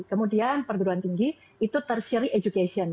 kemudian perguruan tinggi itu tertiary education